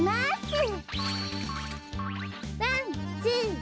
ん？